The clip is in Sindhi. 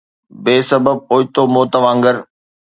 بي سبب اوچتو موت وانگر